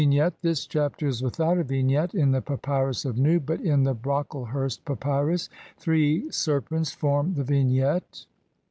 ] Vignette : This Chapter is without a vignette in the Papyrus of Nu, but in the Brocklehurst Papyrus three serpents form the vignette (see Naville, op.